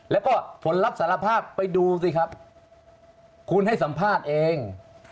แล้วก็ผลรับสารภาพไปดูสิครับคุณให้สัมภาษณ์เอง